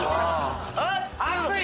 あっつい！